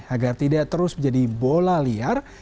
agar tidak terus menjadi bola liar